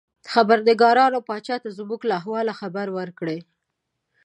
خبرنګارانو پاچا ته زموږ له احوال څخه خبر ورکړ.